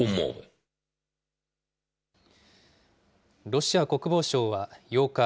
ロシア国防省は８日、